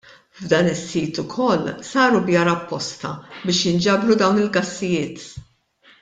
F'dan is-sit ukoll saru bjar apposta biex jinġabru dawn il-gassijiet.